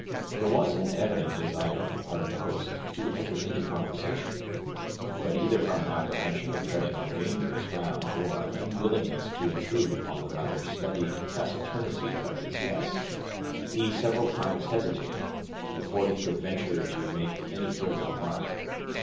There was an evident desire on the part of the host to enter into conversation, but either from an apprehension of treading on dangerous ground, or an unwillingness to intrude upon the rather studied taciturnity of his guest, he several times hesitated, before he could venture to make any further remark.